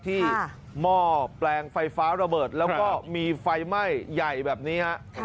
หม้อแปลงไฟฟ้าระเบิดแล้วก็มีไฟไหม้ใหญ่แบบนี้ฮะ